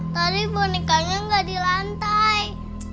tadi bonekanya gak di lantai